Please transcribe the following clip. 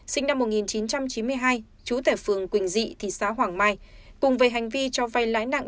sinh năm một nghìn chín trăm chín mươi hai chú tẻ phường quỳnh dị thị xã hoàng mai cùng về hành vi cho vai lái nặng